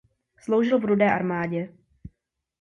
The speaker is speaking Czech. Sloužil v Rudé armádě.